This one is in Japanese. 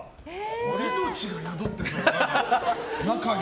命が宿ってそうだな、中に。